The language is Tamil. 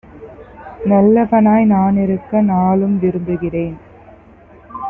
நல்லவனாய் நானிருக்க நாளும் விரும்புகிறேன்."